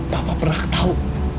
papa pernah tahu